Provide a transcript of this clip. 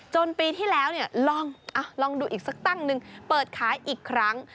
ปีที่แล้วลองดูอีกสักตั้งหนึ่งเปิดขายอีกครั้ง